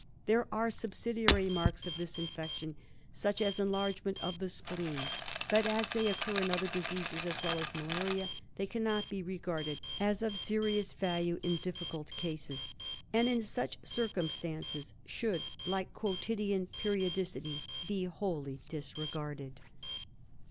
There are subsidiary marks of this infection, such as en largement of the spleen ; but as they occur in other diseases as well as in malaria they cannot be regarded as of serious value in difficult cases, and in such circum stances should, like quotidian periodicity, be wholly disregarded.